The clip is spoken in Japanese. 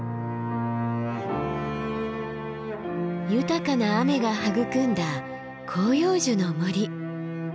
豊かな雨が育んだ広葉樹の森。